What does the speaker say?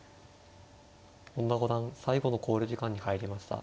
本田五段最後の考慮時間に入りました。